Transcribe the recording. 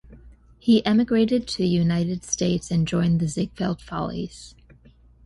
He emigrated to the United States and joined the Ziegfeld Follies.